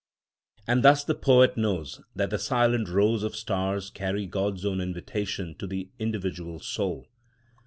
And thus the poet knows that the silent rows of stars carry God's own invitation to the individual soul.